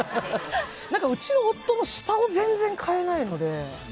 うちの夫も下をぜんぜん替えないので。